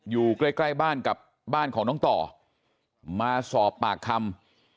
อยู่ใกล้ใกล้บ้านกับบ้านของน้องต่อมาสอบปากคำ